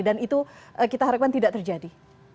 dan itu kita harapkan tidak terjadi